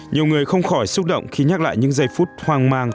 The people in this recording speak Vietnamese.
nhiều người không khỏi xúc động khi nhắc lại những giây phút hoang mang